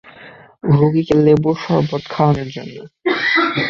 রুগীকে লেবুর শরবত খাওয়ানোর জন্য।